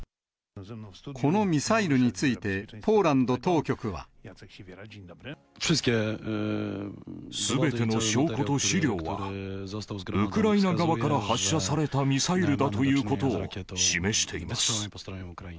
このミサイルについて、すべての証拠と資料は、ウクライナ側から発射されたミサイルだということを示しています。